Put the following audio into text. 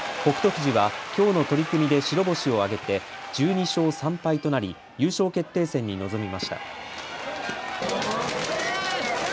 富士はきょうの取組で白星を挙げて１２勝３敗となり優勝決定戦に臨みました。